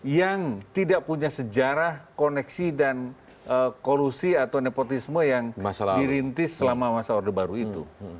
yang tidak punya sejarah koneksi dan kolusi atau nepotisme yang dirintis selama masa orde baru itu